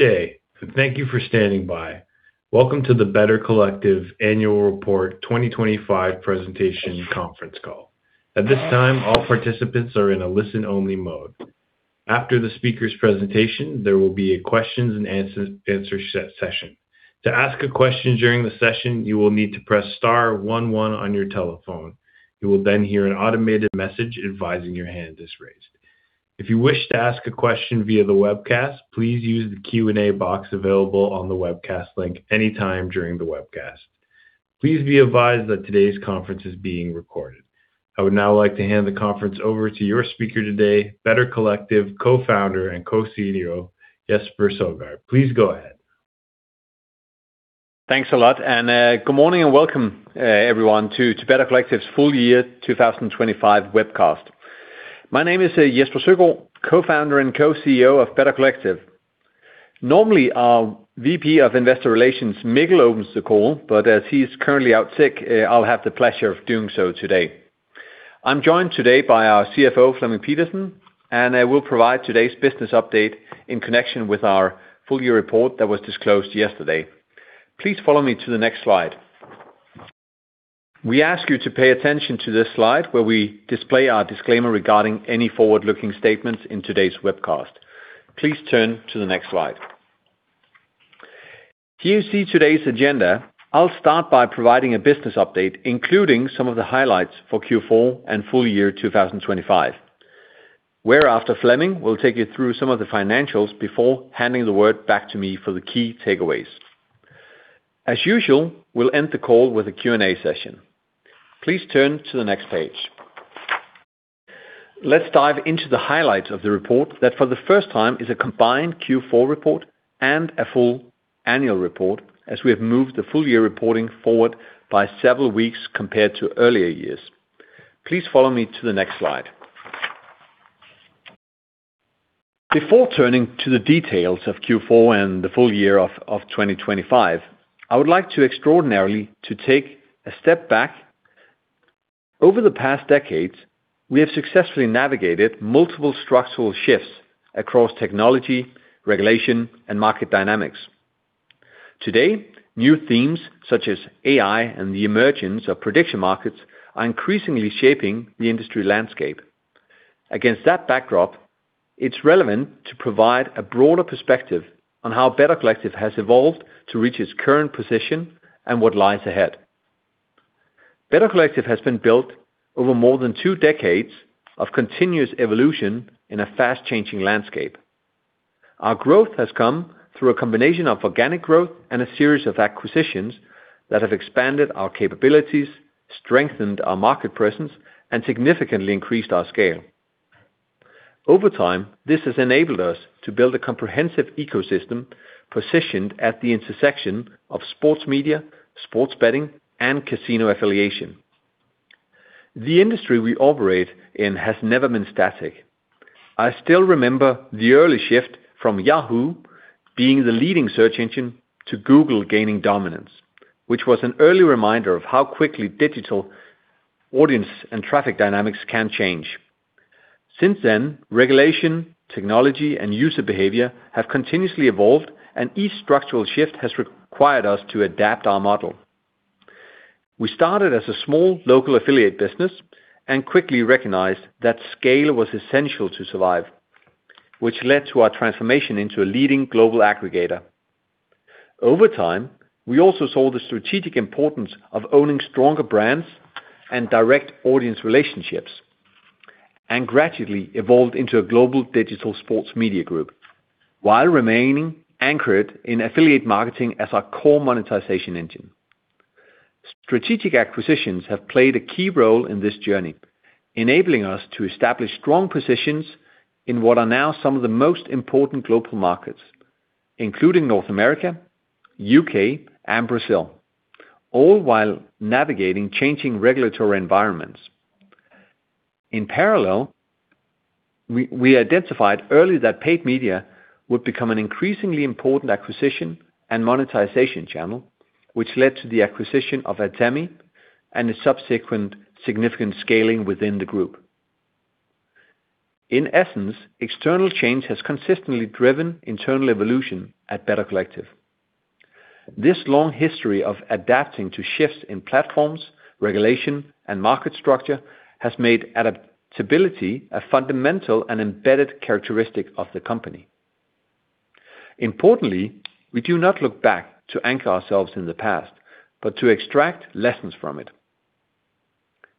Good day. Thank you for standing by. Welcome to the Better Collective annual report 2025 presentation conference call. At this time, all participants are in a listen-only mode. After the speaker's presentation, there will be a questions and answers session. To ask a question during the session, you will need to press star one one on your telephone. You will hear an automated message advising your hand is raised. If you wish to ask a question via the webcast, please use the Q&A box available on the webcast link anytime during the webcast. Please be advised that today's conference is being recorded. I would now like to hand the conference over to your speaker today, Better Collective Co-Founder and Co-CEO, Jesper Søgaard. Please go ahead. Thanks a lot, good morning and welcome everyone to Better Collective's full year 2025 webcast. My name is Jesper Søgaard, Co-Founder and Co-CEO of Better Collective. Normally, our VP of Investor Relations, Mikkel Munch-Jacobsgaard, opens the call, but as he's currently out sick, I'll have the pleasure of doing so today. I'm joined today by our CFO, Flemming Pedersen. I will provide today's business update in connection with our full year report that was disclosed yesterday. Please follow me to the next slide. We ask you to pay attention to this slide, where we display our disclaimer regarding any forward-looking statements in today's webcast. Please turn to the next slide. Here you see today's agenda. I'll start by providing a business update, including some of the highlights for Q4 and full year 2025. Flemming will take you through some of the financials before handing the word back to me for the key takeaways. As usual, we'll end the call with a Q&A session. Please turn to the next page. Let's dive into the highlights of the report that for the first time is a combined Q4 report and a full annual report, as we have moved the full year reporting forward by several weeks compared to earlier years. Please follow me to the next slide. Before turning to the details of Q4 and the full year of 2025, I would like to extraordinarily to take a step back. Over the past decades, we have successfully navigated multiple structural shifts across technology, regulation, and market dynamics. Today, new themes such as AI and the emergence of prediction markets are increasingly shaping the industry landscape. Against that backdrop, it's relevant to provide a broader perspective on how Better Collective has evolved to reach its current position and what lies ahead. Better Collective has been built over more than two decades of continuous evolution in a fast-changing landscape. Our growth has come through a combination of organic growth and a series of acquisitions that have expanded our capabilities, strengthened our market presence, and significantly increased our scale. Over time, this has enabled us to build a comprehensive ecosystem positioned at the intersection of sports media, sports betting, and casino affiliation. The industry we operate in has never been static. I still remember the early shift from Yahoo! being the leading search engine to Google gaining dominance, which was an early reminder of how quickly digital audience and traffic dynamics can change. Since then, regulation, technology, and user behavior have continuously evolved, and each structural shift has required us to adapt our model. We started as a small local affiliate business and quickly recognized that scale was essential to survive, which led to our transformation into a leading global aggregator. Over time, we also saw the strategic importance of owning stronger brands and direct audience relationships, and gradually evolved into a global digital sports media group, while remaining anchored in affiliate marketing as our core monetization engine. Strategic acquisitions have played a key role in this journey, enabling us to establish strong positions in what are now some of the most important global markets, including North America, U.K., and Brazil, all while navigating changing regulatory environments. In parallel, we identified early that paid media would become an increasingly important acquisition and monetization channel, which led to the acquisition of Atemi and a subsequent significant scaling within the group. In essence, external change has consistently driven internal evolution at Better Collective. This long history of adapting to shifts in platforms, regulation, and market structure has made adaptability a fundamental and embedded characteristic of the company. Importantly, we do not look back to anchor ourselves in the past, but to extract lessons from it.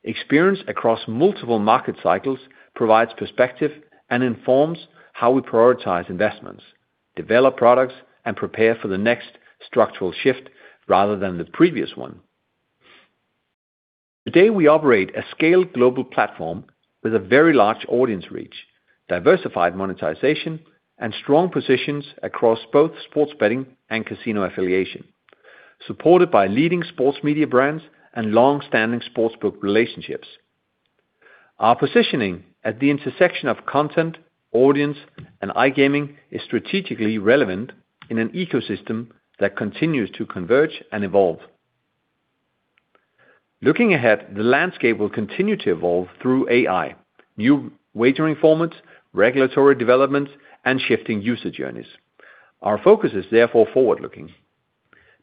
Experience across multiple market cycles provides perspective and informs how we prioritize investments, develop products, and prepare for the next structural shift rather than the previous one. Today, we operate a scaled global platform with a very large audience reach, diversified monetization, and strong positions across both sports betting and casino affiliation, supported by leading sports media brands and long-standing sportsbook relationships. Our positioning at the intersection of content, audience, and iGaming is strategically relevant in an ecosystem that continues to converge and evolve. Looking ahead, the landscape will continue to evolve through AI, new wagering formats, regulatory developments, and shifting user journeys. Our focus is therefore forward-looking.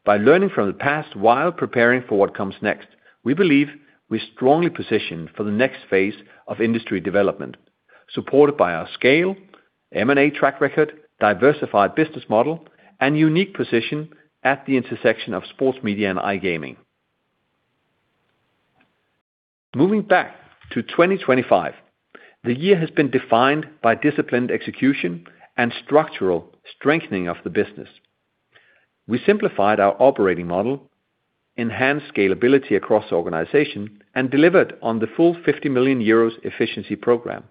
By learning from the past while preparing for what comes next, we believe we're strongly positioned for the next phase of industry development, supported by our scale, M&A track record, diversified business model, and unique position at the intersection of sports media and iGaming. Moving back to 2025, the year has been defined by disciplined execution and structural strengthening of the business. We simplified our operating model, enhanced scalability across the organization, and delivered on the full 50 million euros efficiency program.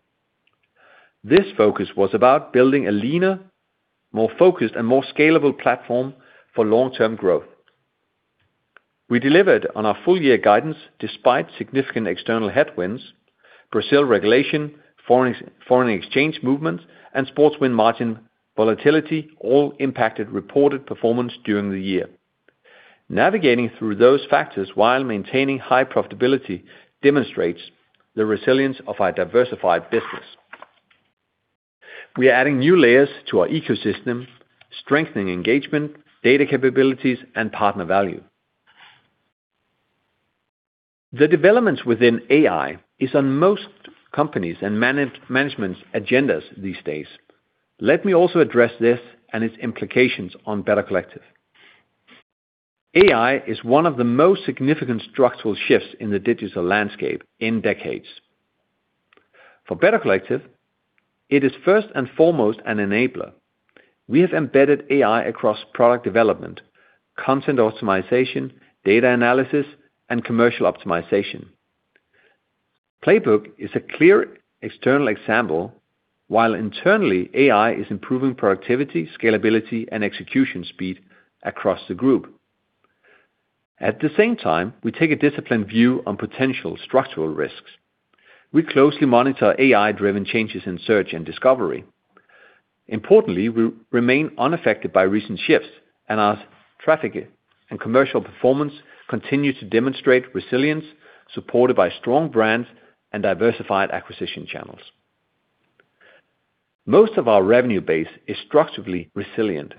This focus was about building a leaner, more focused, and more scalable platform for long-term growth. We delivered on our full-year guidance despite significant external headwinds, Brazil regulation, foreign exchange movements, and sports win margin volatility all impacted reported performance during the year. Navigating through those factors while maintaining high profitability demonstrates the resilience of our diversified business. We are adding new layers to our ecosystem, strengthening engagement, data capabilities, and partner value. The developments within AI is on most companies and management's agendas these days. Let me also address this and its implications on Better Collective. AI is one of the most significant structural shifts in the digital landscape in decades. For Better Collective, it is first and foremost an enabler. We have embedded AI across product development, content optimization, data analysis, and commercial optimization. Playbook is a clear external example, while internally, AI is improving productivity, scalability, and execution speed across the group. At the same time, we take a disciplined view on potential structural risks. We closely monitor AI-driven changes in search and discovery. Importantly, we remain unaffected by recent shifts, and our traffic and commercial performance continue to demonstrate resilience, supported by strong brands and diversified acquisition channels. Most of our revenue base is structurally resilient.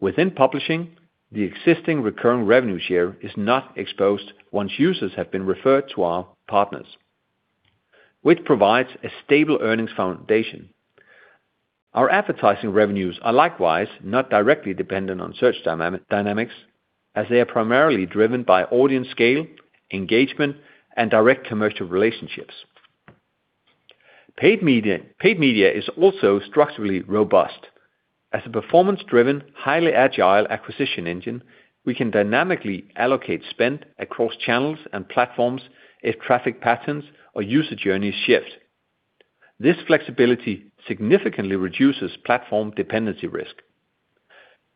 Within publishing, the existing recurring revenue share is not exposed once users have been referred to our partners, which provides a stable earnings foundation. Our advertising revenues are likewise not directly dependent on search dynamics, as they are primarily driven by audience scale, engagement, and direct commercial relationships. Paid media is also structurally robust. As a performance-driven, highly agile acquisition engine, we can dynamically allocate spend across channels and platforms if traffic patterns or user journeys shift. This flexibility significantly reduces platform dependency risk.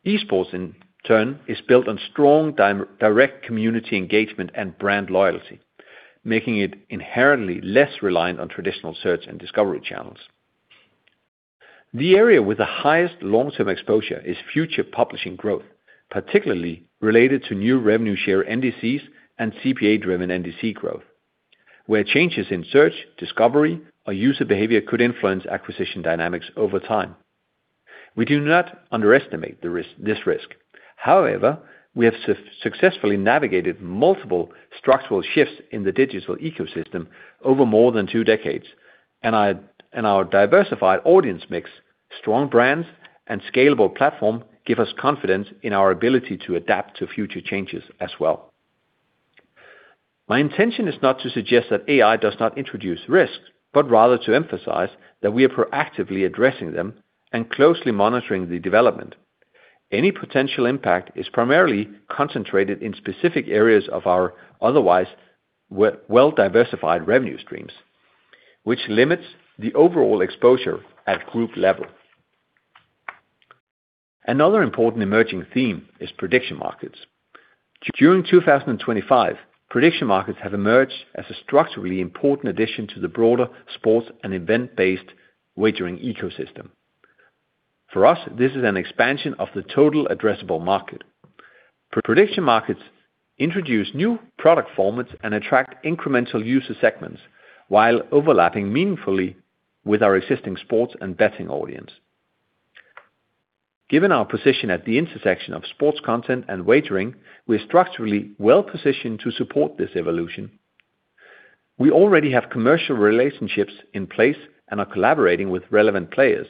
Esports, in turn, is built on strong direct community engagement and brand loyalty, making it inherently less reliant on traditional search and discovery channels. The area with the highest long-term exposure is future publishing growth, particularly related to new revenue share NDCs and CPA-driven NDC growth, where changes in search, discovery, or user behavior could influence acquisition dynamics over time. We do not underestimate this risk. We have successfully navigated multiple structural shifts in the digital ecosystem over more than two decades, and our diversified audience mix, strong brands, and scalable platform give us confidence in our ability to adapt to future changes as well. My intention is not to suggest that AI does not introduce risks, but rather to emphasize that we are proactively addressing them and closely monitoring the development. Any potential impact is primarily concentrated in specific areas of our otherwise well-diversified revenue streams, which limits the overall exposure at group level. Another important emerging theme is prediction markets. During 2025, prediction markets have emerged as a structurally important addition to the broader sports and event-based wagering ecosystem. For us, this is an expansion of the total addressable market. Prediction markets introduce new product formats and attract incremental user segments while overlapping meaningfully with our existing sports and betting audience. Given our position at the intersection of sports content and wagering, we're structurally well-positioned to support this evolution. We already have commercial relationships in place and are collaborating with relevant players.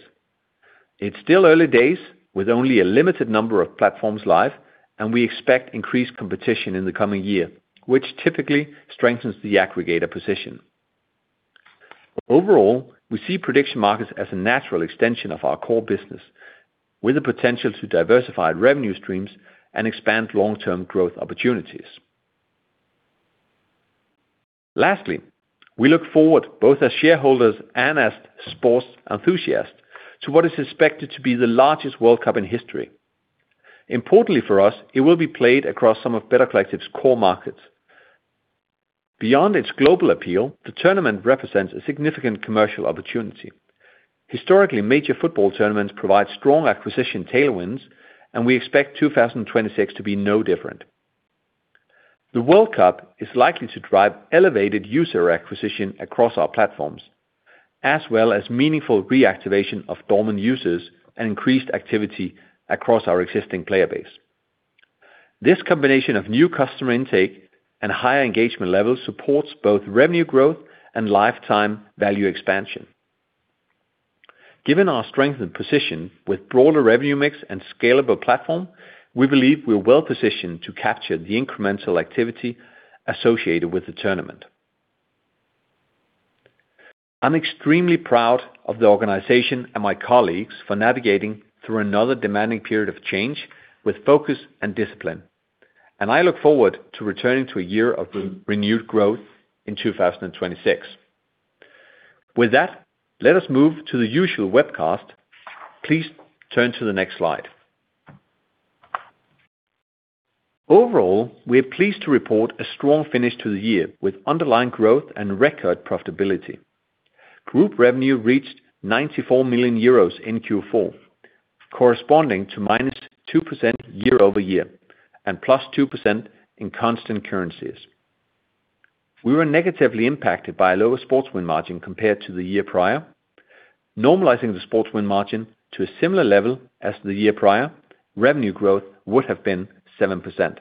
It's still early days, with only a limited number of platforms live, and we expect increased competition in the coming year, which typically strengthens the aggregator position. Overall, we see prediction markets as a natural extension of our core business, with the potential to diversify revenue streams and expand long-term growth opportunities. Lastly, we look forward, both as shareholders and as sports enthusiasts, to what is expected to be the largest World Cup in history. Importantly for us, it will be played across some of Better Collective's core markets. Beyond its global appeal, the tournament represents a significant commercial opportunity. Historically, major football tournaments provide strong acquisition tailwinds, and we expect 2026 to be no different. The World Cup is likely to drive elevated user acquisition across our platforms, as well as meaningful reactivation of dormant users and increased activity across our existing player base. This combination of new customer intake and higher engagement levels supports both revenue growth and lifetime value expansion. Given our strengthened position with broader revenue mix and scalable platform, we believe we are well-positioned to capture the incremental activity associated with the tournament. I'm extremely proud of the organization and my colleagues for navigating through another demanding period of change with focus and discipline, and I look forward to returning to a year of renewed growth in 2026. With that, let us move to the usual webcast. Please turn to the next slide. Overall, we are pleased to report a strong finish to the year with underlying growth and record profitability. Group revenue reached 94 million euros in Q4, corresponding to -2% year-over-year and +2% in constant currencies. We were negatively impacted by a lower sports win margin compared to the year prior. Normalizing the sports win margin to a similar level as the year prior, revenue growth would have been 7%.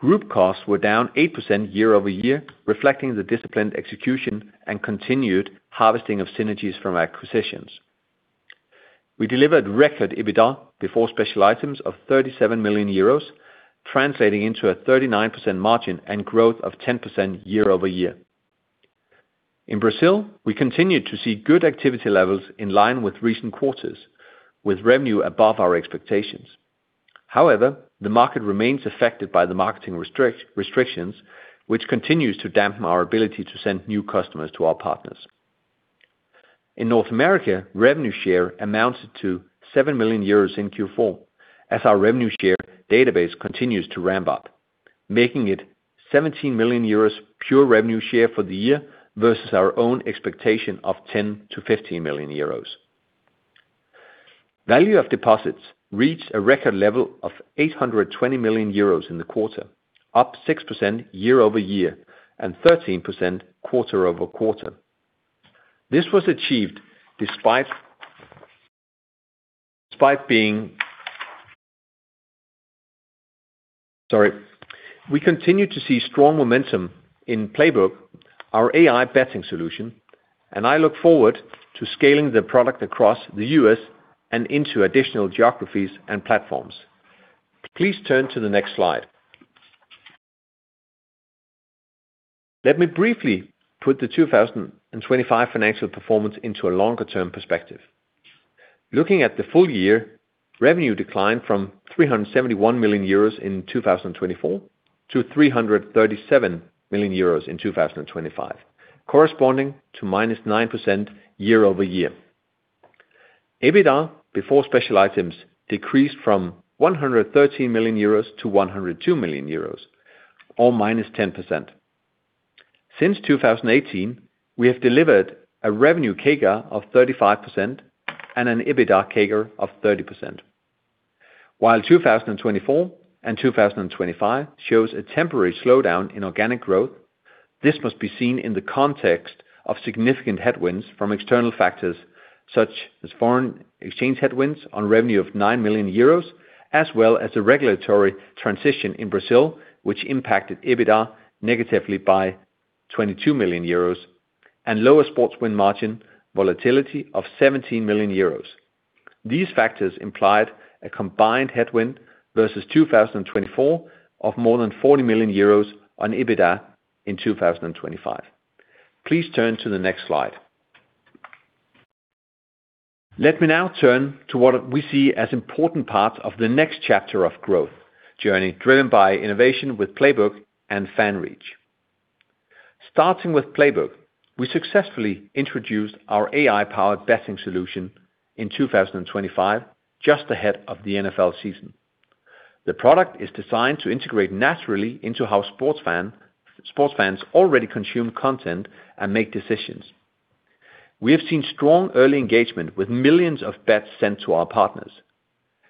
Group costs were down 8% year-over-year, reflecting the disciplined execution and continued harvesting of synergies from acquisitions. We delivered record EBITDA before special items of 37 million euros, translating into a 39% margin and growth of 10% year-over-year. In Brazil, we continued to see good activity levels in line with recent quarters, with revenue above our expectations. The market remains affected by the marketing restrictions, which continues to dampen our ability to send new customers to our partners. In North America, revenue share amounted to 7 million euros in Q4, as our revenue share database continues to ramp up, making it 17 million euros pure revenue share for the year versus our own expectation of 10 million-15 million euros. Value of deposits reached a record level of 820 million euros in the quarter, up 6% year-over-year and 13% quarter-over-quarter. This was achieved despite being. Sorry. We continue to see strong momentum in Playbook, our AI betting solution, and I look forward to scaling the product across the U.S. and into additional geographies and platforms. Please turn to the next slide. Let me briefly put the 2025 financial performance into a longer-term perspective. Looking at the full year, revenue declined from 371 million euros in 2024 to 337 million euros in 2025, corresponding to -9% year-over-year. EBITDA, before special items, decreased from 113 million euros to 102 million euros, or -10%. Since 2018, we have delivered a revenue CAGR of 35% and an EBITDA CAGR of 30%. While 2024 and 2025 shows a temporary slowdown in organic growth, this must be seen in the context of significant headwinds from external factors, such as foreign exchange headwinds on revenue of 9 million euros, as well as the regulatory transition in Brazil, which impacted EBITDA negatively by 22 million euros and lower sports win margin volatility of 17 million euros. These factors implied a combined headwind versus 2024 of more than 40 million euros on EBITDA in 2025. Please turn to the next slide. Let me now turn to what we see as important parts of the next chapter of growth journey, driven by innovation with Playbook and FanReach. Starting with Playbook, we successfully introduced our AI-powered betting solution in 2025, just ahead of the NFL season. The product is designed to integrate naturally into how sports fans already consume content and make decisions. We have seen strong early engagement with millions of bets sent to our partners.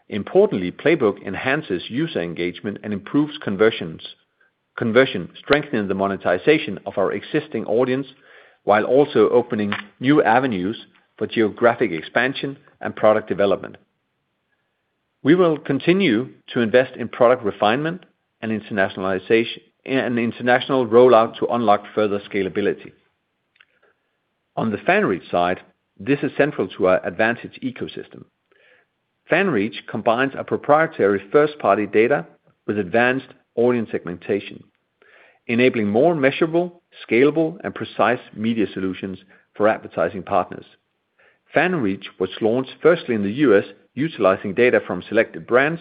Importantly, Playbook enhances user engagement and improves conversion, strengthening the monetization of our existing audience, while also opening new avenues for geographic expansion and product development. We will continue to invest in product refinement and international rollout to unlock further scalability. On the FanReach side, this is central to our AdVantage ecosystem. FanReach combines our proprietary first-party data with advanced audience segmentation, enabling more measurable, scalable, and precise media solutions for advertising partners. FanReach was launched firstly in the U.S., utilizing data from selected brands,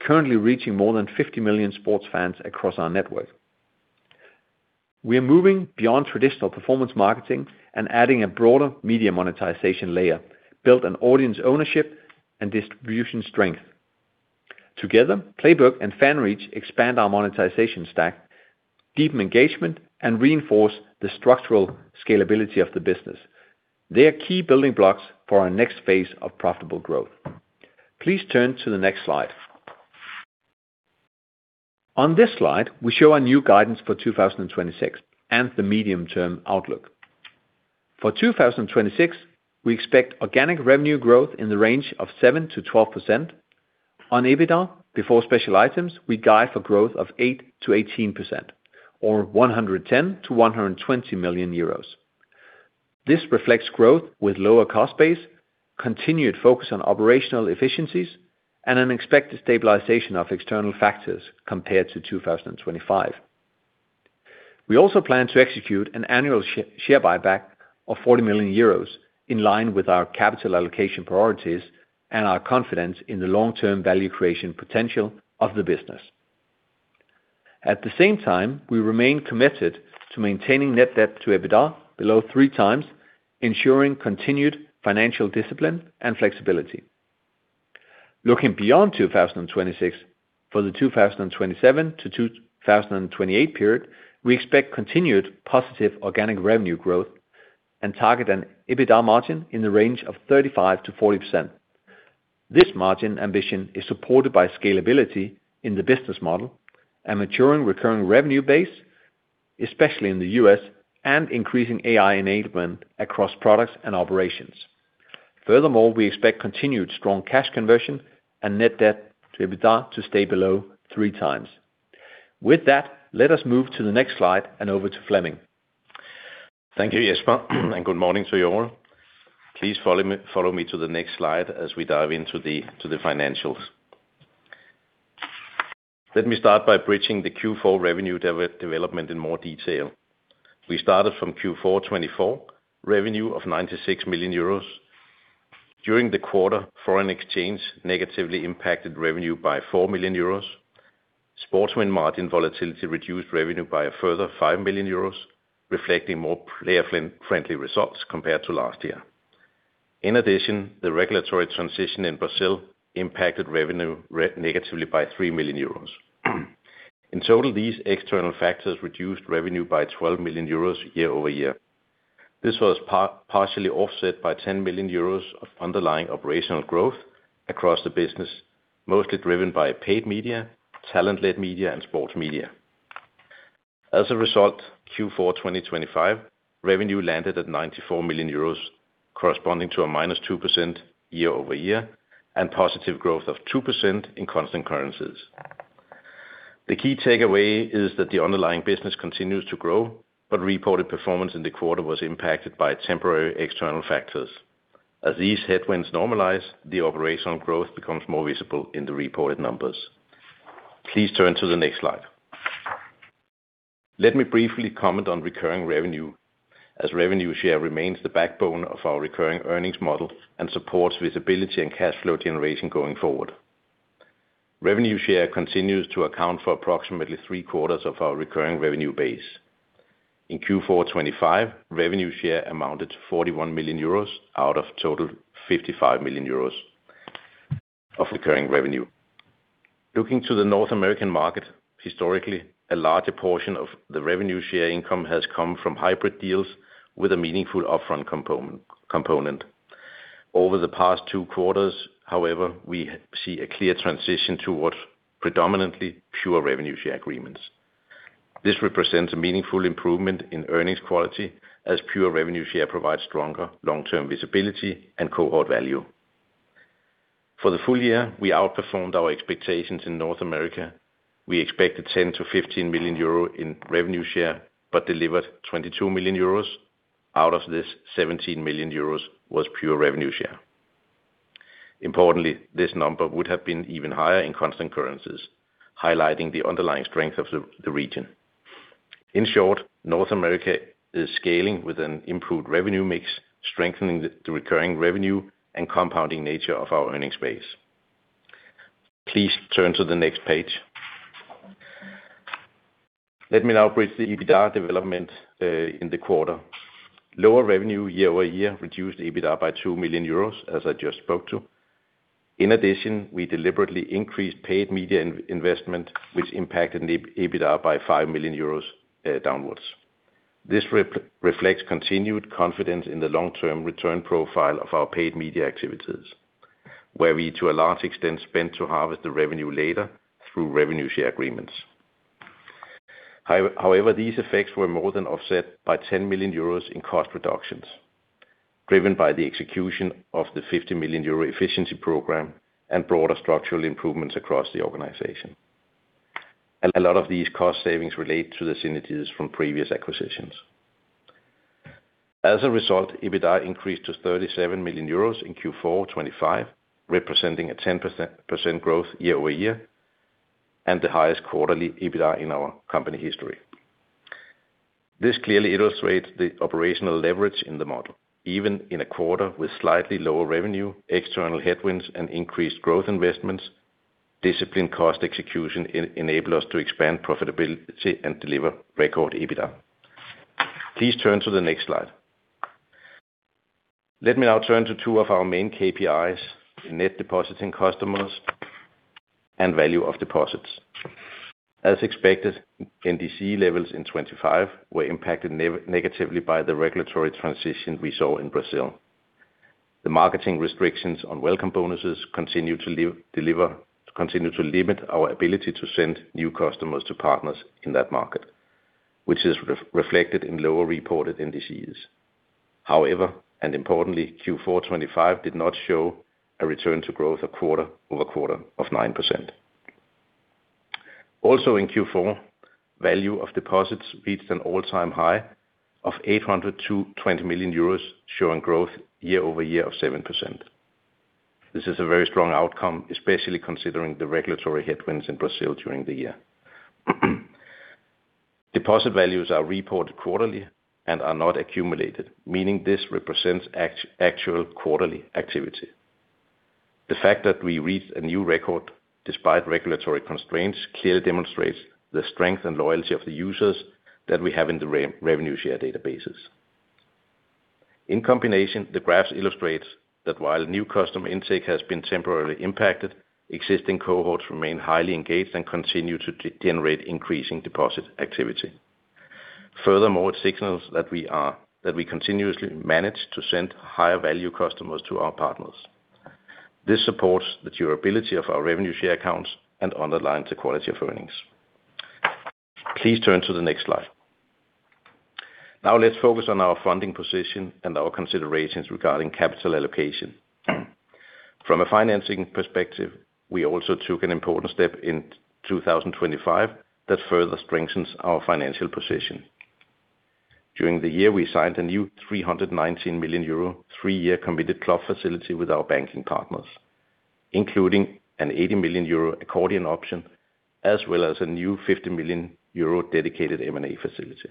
currently reaching more than 50 million sports fans across our network. We are moving beyond traditional performance marketings and adding a broader media monetization layer, built on audience ownership and distribution strength. Together, Playbook and FanReach expand our monetization stack, deepen engagement, and reinforce the structural scalability of the business. They are key building blocks for our next phase of profitable growth. Please turn to the next slide. On this slide, we show our new guidance for 2026, and the medium-term outlook. For 2026, we expect organic revenue growth in the range of 7%-12%. On EBITDA, before special items, we guide for growth of 8%-18%, or 110 million-120 million euros. This reflects growth with lower cost base, continued focus on operational efficiencies, and an expected stabilization of external factors compared to 2025. We also plan to execute an annual share buyback of 40 million euros, in line with our capital allocation priorities and our confidence in the long-term value creation potential of the business. At the same time, we remain committed to maintaining net debt to EBITDA below 3x, ensuring continued financial discipline and flexibility. Looking beyond 2026, for the 2027-2028 period, we expect continued positive organic revenue growth and target an EBITDA margin in the range of 35%-40%. This margin ambition is supported by scalability in the business model, a maturing recurring revenue base, especially in the U.S., and increasing AI enablement across products and operations. Furthermore, we expect continued strong cash conversion and net debt to EBITDA to stay below 3x. With that, let us move to the next slide and over to Flemming. Thank you, Jesper. Good morning to you all. Please follow me to the next slide as we dive into the financials. Let me start by bridging the Q4 revenue development in more detail. We started from Q4 2024, revenue of 96 million euros. During the quarter, foreign exchange negatively impacted revenue by 4 million euros. Sports win margin volatility reduced revenue by a further 5 million euros, reflecting more player-friendly results compared to last year. In addition, the regulatory transition in Brazil impacted revenue negatively by 3 million euros. In total, these external factors reduced revenue by 12 million euros year-over-year. This was partially offset by 10 million euros of underlying operational growth across the business, mostly driven by paid media, talent-led media, and sports media. As a result, Q4 2025 revenue landed at 94 million euros, corresponding to a -2% year-over-year, and positive growth of 2% in constant currencies. The key takeaway is that the underlying business continues to grow, but reported performance in the quarter was impacted by temporary external factors. As these headwinds normalize, the operational growth becomes more visible in the reported numbers. Please turn to the next slide. Let me briefly comment on recurring revenue, as revenue share remains the backbone of our recurring earnings model and supports visibility and cash flow generation going forward. Revenue share continues to account for approximately 3/4 of our recurring revenue base. In Q4 2025, revenue share amounted to 41 million euros, out of total 55 million euros of recurring revenue. Looking to the North American market, historically, a larger portion of the revenue share income has come from hybrid deals with a meaningful upfront component. Over the past two quarters, however, we see a clear transition towards predominantly pure revenue share agreements. This represents a meaningful improvement in earnings quality, as pure revenue share provides stronger long-term visibility and cohort value. For the full year, we outperformed our expectations in North America. We expected 10 million-15 million euro in revenue share, but delivered 22 million euros. Out of this, 17 million euros was pure revenue share. Importantly, this number would have been even higher in constant currencies, highlighting the underlying strength of the region. In short, North America is scaling with an improved revenue mix, strengthening the recurring revenue and compounding nature of our earnings base. Please turn to the next page. Let me now bridge the EBITDA development in the quarter. Lower revenue year-over-year reduced EBITDA by 2 million euros, as I just spoke to. In addition, we deliberately increased paid media investment, which impacted the EBITDA by 5 million euros downwards. This reflects continued confidence in the long-term return profile of our paid media activities, where we, to a large extent, spend to harvest the revenue later through revenue share agreements. However, these effects were more than offset by 10 million euros in cost reductions, driven by the execution of the 50 million euro efficiency program and broader structural improvements across the organization. A lot of these cost savings relate to the synergies from previous acquisitions. EBITDA increased to 37 million euros in Q4 2025, representing a 10% growth year-over-year, and the highest quarterly EBITDA in our company history. This clearly illustrates the operational leverage in the model, even in a quarter with slightly lower revenue, external headwinds, and increased growth investments, disciplined cost execution enable us to expand profitability and deliver record EBITDA. Please turn to the next slide. Let me now turn to two of our main KPIs, net depositing customers and value of deposits. NDC levels in 2025 were impacted negatively by the regulatory transition we saw in Brazil. The marketing restrictions on welcome bonuses continue to limit our ability to send new customers to partners in that market, which is reflected in lower reported NDCs. Importantly, Q4 2025 did not show a return to growth a quarter-over-quarter of 9%. In Q4, value of deposits reached an all-time high of 820 million euros, showing growth year-over-year of 7%. This is a very strong outcome, especially considering the regulatory headwinds in Brazil during the year. Deposit values are reported quarterly and are not accumulated, meaning this represents actual quarterly activity. The fact that we reached a new record despite regulatory constraints, clearly demonstrates the strength and loyalty of the users that we have in the revenue share databases. In combination, the graphs illustrates that while new customer intake has been temporarily impacted, existing cohorts remain highly engaged and continue to generate increasing deposit activity. It signals that we continuously manage to send higher value customers to our partners. This supports the durability of our revenue share accounts and underlines the quality of earnings. Please turn to the next slide. Now, let's focus on our funding position and our considerations regarding capital allocation. From a financing perspective, we also took an important step in 2025, that further strengthens our financial position. During the year, we signed a new 319 million euro, three-year committed club facility with our banking partners, including an 80 million euro accordion option, as well as a new 50 million euro dedicated M&A facility.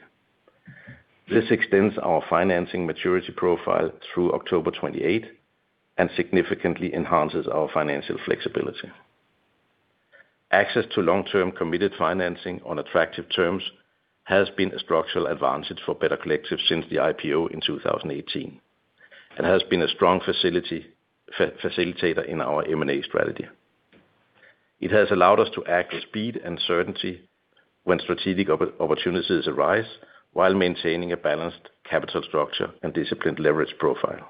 This extends our financing maturity profile through October 28, and significantly enhances our financial flexibility. Access to long-term committed financing on attractive terms has been a structural advantage for Better Collective since the IPO in 2018, and has been a strong facility, facilitator in our M&A strategy. It has allowed us to act with speed and certainty when strategic opportunities arise, while maintaining a balanced capital structure and disciplined leverage profile.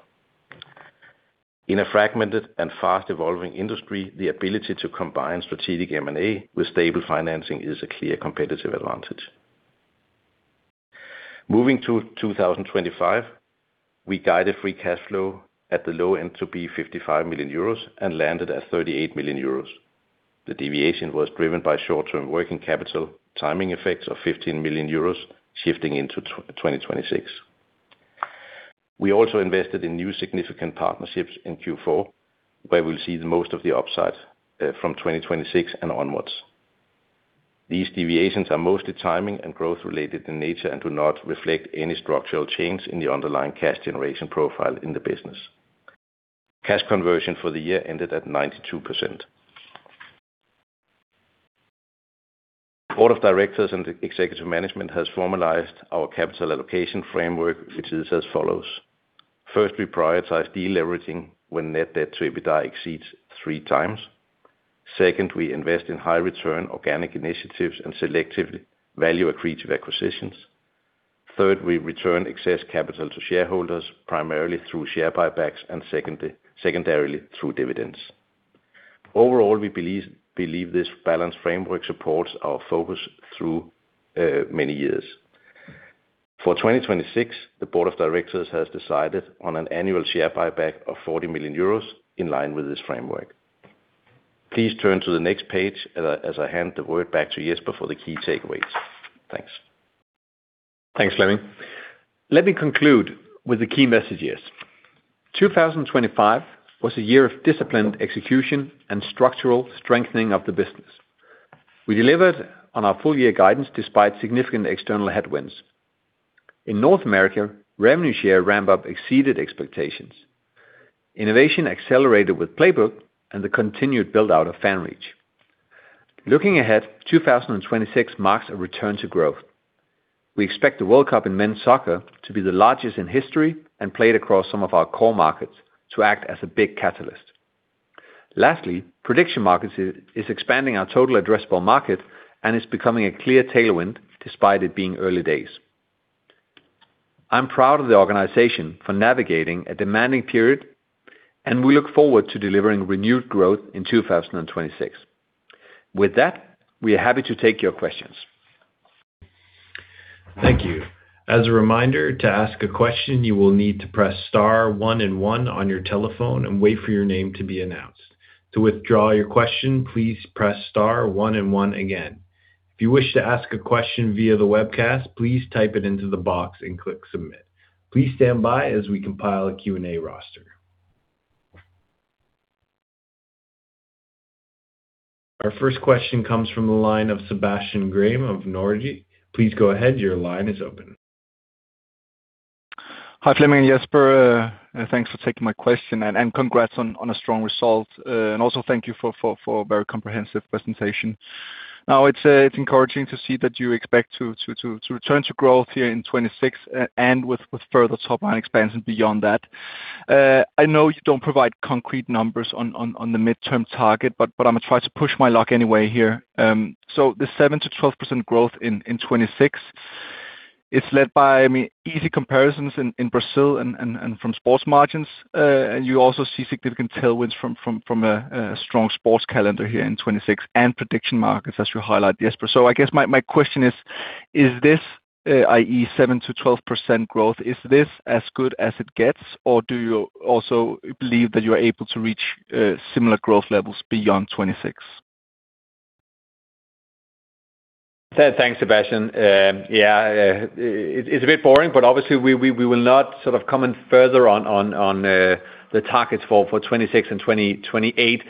In a fragmented and fast-evolving industry, the ability to combine strategic M&A with stable financing is a clear competitive advantage. Moving to 2025, we guided free cash flow at the low end to be 55 million euros and landed at 38 million euros. The deviation was driven by short-term working capital, timing effects of 15 million euros, shifting into 2026. We also invested in new significant partnerships in Q4, where we'll see the most of the upside from 2026 and onwards. These deviations are mostly timing and growth-related in nature and do not reflect any structural change in the underlying cash generation profile in the business. Cash conversion for the year ended at 92%. Board of directors and executive management has formalized our capital allocation framework, which is as follows: firstly, prioritize deleveraging when net debt to EBITDA exceeds 3x. Second, we invest in high return organic initiatives and selectively value accretive acquisitions. Third, we return excess capital to shareholders, primarily through share buybacks and secondarily through dividends. Overall, we believe this balanced framework supports our focus through many years. For 2026, the board of directors has decided on an annual share buyback of 40 million euros in line with this framework. Please turn to the next page as I hand the word back to Jesper for the key takeaways. Thanks. Thanks, Flemming. Let me conclude with the key messages. 2025 was a year of disciplined execution and structural strengthening of the business. We delivered on our full year guidance despite significant external headwinds. In North America, revenue share ramp-up exceeded expectations. Innovation accelerated with Playbook and the continued build-out of FanReach. Looking ahead, 2026 marks a return to growth. We expect the World Cup in men's soccer to be the largest in history and played across some of our core markets to act as a big catalyst. Lastly, prediction markets is expanding our total addressable market, and is becoming a clear tailwind, despite it being early days. I'm proud of the organization for navigating a demanding period, and we look forward to delivering renewed growth in 2026. With that, we are happy to take your questions. Thank you. As a reminder, to ask a question, you will need to press star one and one on your telephone and wait for your name to be announced. To withdraw your question, please press star one and one again. If you wish to ask a question via the webcast, please type it into the box and click submit. Please stand by as we compile a Q&A roster. Our first question comes from the line of Sebastian Graham of Nordea. Please go ahead. Your line is open. Hi, Flemming and Jesper. Thanks for taking my question and congrats on a strong result. Also thank you for a very comprehensive presentation. It's encouraging to see that you expect to return to growth here in 2026 and with further top line expansion beyond that. I know you don't provide concrete numbers on the midterm target, but I'm gonna try to push my luck anyway here. The 7%-12% growth in 2026, it's led by, I mean, easy comparisons in Brazil and from sports margins. You also see significant tailwinds from a strong sports calendar here in 2026 and prediction markets, as you highlight, Jesper. I guess my question is this, i.e., 7%-12% growth, is this as good as it gets, or do you also believe that you are able to reach similar growth levels beyond 2026? Thanks, Sebastian. It's a bit boring, but obviously we will not sort of comment further on the targets for 2026 and 2028.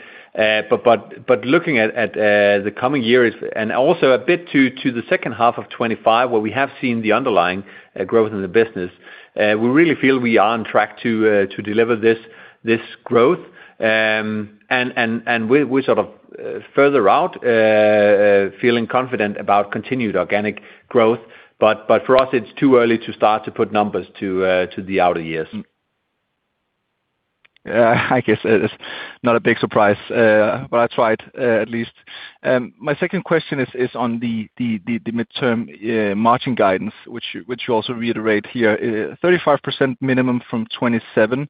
Looking at the coming years and also a bit to the second half of 2025, where we have seen the underlying growth in the business, we really feel we are on track to deliver this growth. We sort of further out feeling confident about continued organic growth. For us, it's too early to start to put numbers to the outer years. I guess it's not a big surprise, but I tried, at least. My second question is on the midterm margin guidance, which you also reiterate here. 35% minimum from 2027,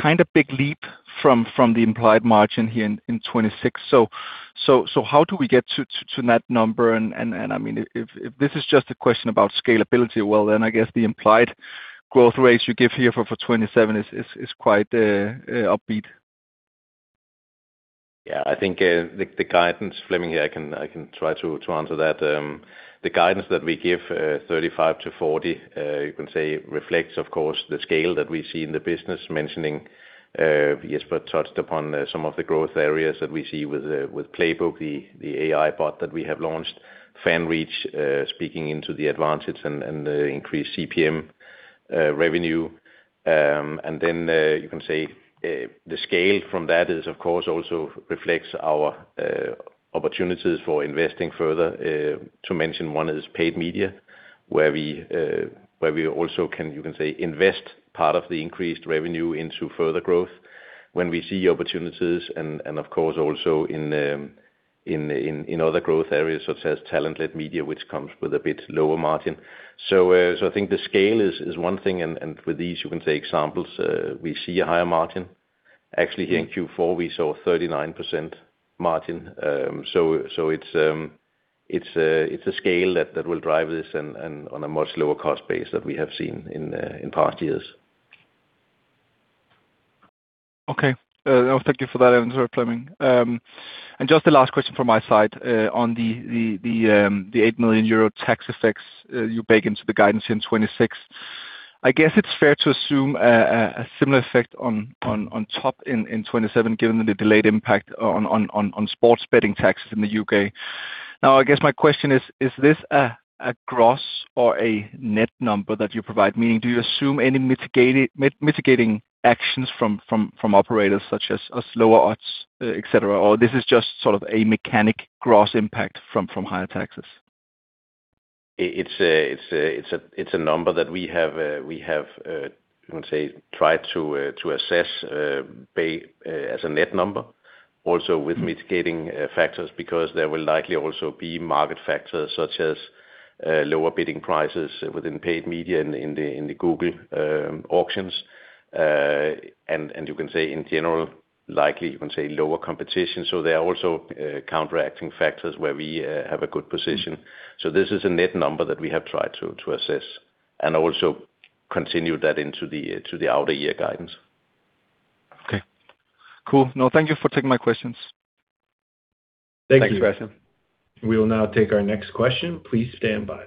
kind of big leap from the implied margin here in 2026. How do we get to net number? I mean, if this is just a question about scalability, well, then I guess the implied growth rates you give here for 2027 is quite upbeat. I think, the guidance, Flemming here, I can try to answer that. The guidance that we give, 35%-40%, you can say, reflects, of course, the scale that we see in the business. Mentioning, Jesper touched upon, some of the growth areas that we see with Playbook, the AI bot that we have launched, FanReach, speaking into the AdVantage and the increased CPM revenue. You can say, the scale from that is, of course, also reflects our opportunities for investing further, to mention one is paid media, where we also can, you can say, invest part of the increased revenue into further growth when we see opportunities. Of course, also in other growth areas such as talent-led media, which comes with a bit lower margin. I think the scale is one thing, and with these, you can take samples, we see a higher margin. Actually, here in Q4, we saw a 39% margin. So it's a scale that will drive this and on a much lower cost base than we have seen in past years. Okay. thank you for that answer, Flemming. Just the last question from my side, on the 8 million euro tax effects, you bake into the guidance in 2026. I guess it's fair to assume, a similar effect on top in 2027, given the delayed impact on sports betting taxes in the U.K. Now, I guess my question is: Is this a gross or a net number that you provide? Meaning, do you assume any mitigating actions from operators such as slower odds, et cetera, or this is just sort of a mechanic gross impact from higher taxes? It's a number that we have, I would say, tried to assess, pay as a net number, also with mitigating factors, because there will likely also be market factors, such as lower bidding prices within paid media in the Google auctions. You can say in general, likely, lower competition. There are also counteracting factors where we have a good position. This is a net number that we have tried to assess, and also continue that to the outer year guidance. Okay. Cool. Thank you for taking my questions. Thank you. Thanks, James. We will now take our next question. Please stand by.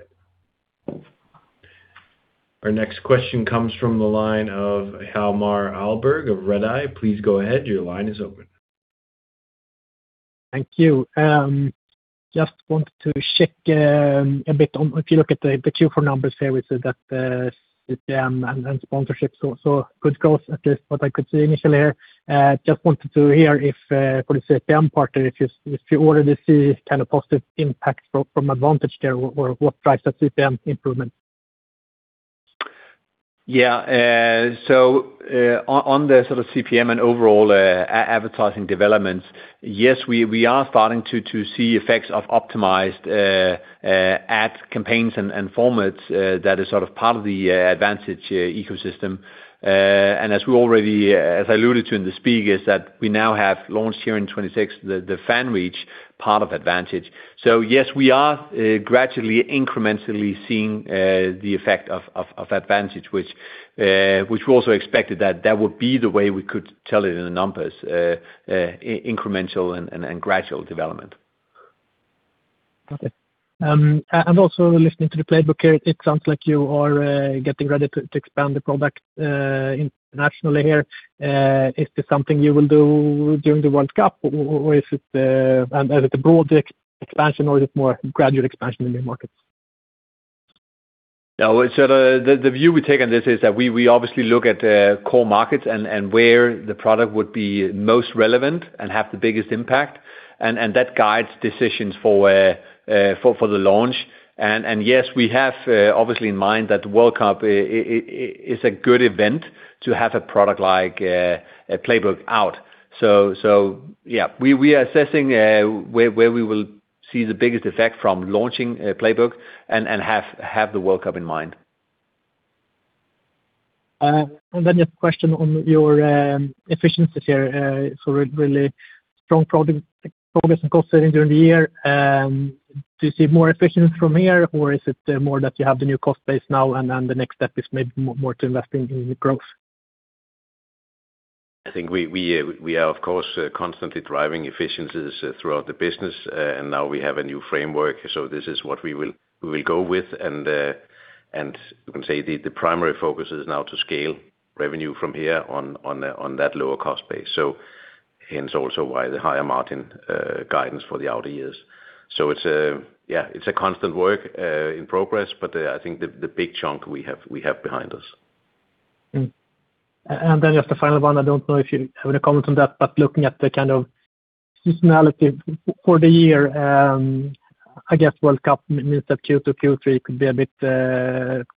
Our next question comes from the line of Hjalmar Ahlberg of Redeye. Please go ahead. Your line is open. Thank you. Just wanted to check a bit on if you look at the Q4 numbers here, we said that CPM and sponsorships were, so good growth, at least what I could see initially here. Just wanted to hear if for the CPM part, if you already see kind of positive impact from Advantage there, or what drives that CPM improvement? Yeah. On the sort of CPM and overall advertising developments, yes, we are starting to see effects of optimized ad campaigns and formats that is sort of part of the AdVantage ecosystem. As I alluded to in the speak, is that we now have launched here in 2026, the FanReach part of AdVantage. Yes, we are gradually, incrementally seeing the effect of AdVantage, which we also expected that that would be the way we could tell it in the numbers, incremental and gradual development. Okay. Also listening to the Playbook here, it sounds like you are getting ready to expand the product internationally here. Is this something you will do during the World Cup, or is it, and is it a broad expansion or is it more gradual expansion in the markets? The view we take on this is that we obviously look at the core markets and where the product would be most relevant and have the biggest impact, and that guides decisions for the launch. Yes, we have obviously in mind that the World Cup is a good event to have a product like a Playbook out. Yeah, we are assessing where we will see the biggest effect from launching Playbook and have the World Cup in mind. A question on your efficiency here. Really strong progress and cost savings during the year. Do you see more efficiency from here, or is it more that you have the new cost base now, and the next step is maybe more to investing in new growth? I think we are, of course, constantly driving efficiencies throughout the business, and now we have a new framework, so this is what we will go with. You can say the primary focus is now to scale revenue from here on that lower cost base. Hence also why the higher margin guidance for the outer years. It's a. Yeah, it's a constant work in progress, but I think the big chunk we have behind us. Then just the final one, I don't know if you have any comment on that, but looking at the kind of seasonality for the year, I guess World Cup means that Q2, Q3 could be a bit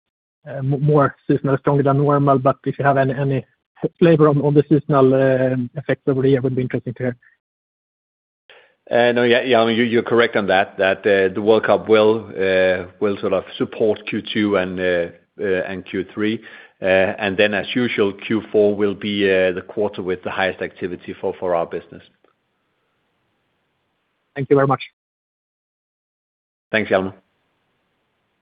more seasonal, stronger than normal, but if you have any flavor on the seasonal effects over the year, would be interesting to hear. No, yeah, you're correct on that, the World Cup will sort of support Q2 and Q3. Then as usual, Q4 will be the quarter with the highest activity for our business. Thank you very much. Thanks, Hjalmar.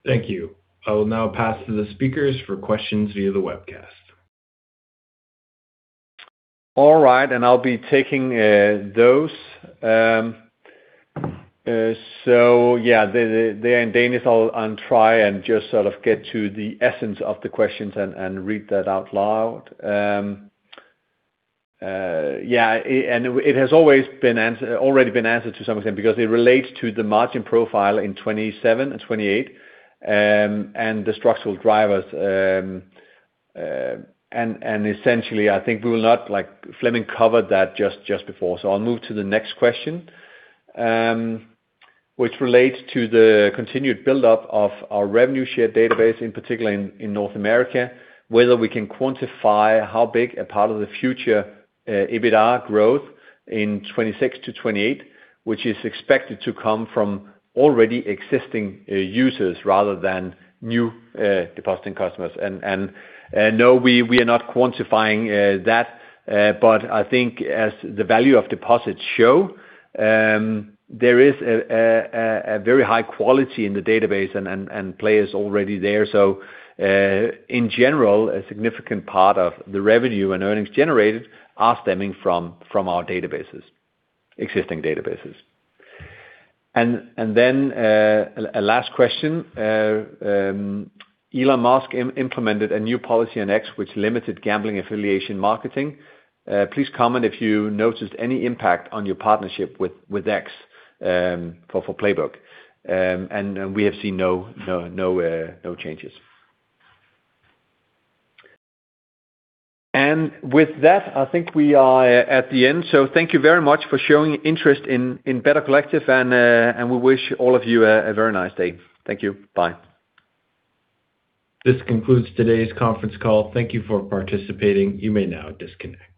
Thank you. I will now pass to the speakers for questions via the webcast. All right, I'll be taking those. Yeah, they are in Danish, I'll try and just sort of get to the essence of the questions and read that out loud. Yeah, it has already been answered to some extent, because it relates to the margin profile in 2027 and 2028, and the structural drivers, and essentially, I think we will not like. Flemming covered that just before. I'll move to the next question, which relates to the continued buildup of our revenue share database, in particular in North America, whether we can quantify how big a part of the future EBITDA growth in 2026-2028, which is expected to come from already existing users rather than new depositing customers. No, we are not quantifying that, but I think as the value of deposits show, there is a very high quality in the database and players already there. In general, a significant part of the revenue and earnings generated are stemming from our databases, existing databases. Then a last question. Elon Musk implemented a new policy on X, which limited gambling affiliation marketing. Please comment if you noticed any impact on your partnership with X for Playbook. We have seen no changes. With that, I think we are at the end. Thank you very much for showing interest in Better Collective, and we wish all of you a very nice day. Thank you. Bye. This concludes today's conference call. Thank you for participating. You may now disconnect.